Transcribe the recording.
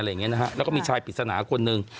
และมีชายศีลษนาคนหนึ่ง